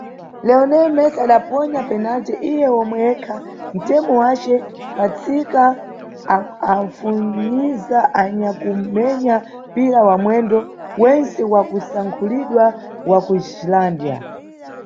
Leonel Messi adaphonya penalty, iye omwe yekha, ntemo wace pansika anfunyiza anyakumenya mpira wa mwendo wentse wa kusankhulidwa wa kuIslândia.